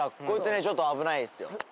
こいつねちょっと危ないですよ。